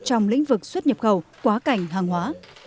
trong lĩnh vực xuất nhập khẩu quá cảnh hàng hóa